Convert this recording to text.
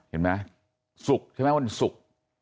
เห็นมั้ยศุกร์วันศุอก